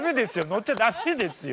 乗っちゃ駄目ですよ！